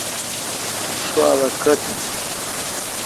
سواب کوتھ این۔